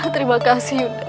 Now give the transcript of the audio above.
terima kasih yunda